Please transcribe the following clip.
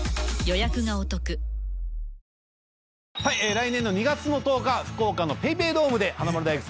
来年の２月の１０日福岡のＰａｙＰａｙドームで華丸・大吉